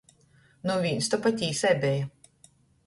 Nu vīns to pa tīsai beja!